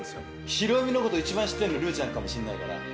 ヒロミのこと一番知ってるの竜ちゃんかもしれないから。